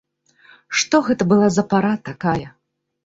Што гэта была за пара такая!